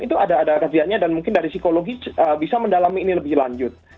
itu ada kajiannya dan mungkin dari psikologi bisa mendalami ini lebih lanjut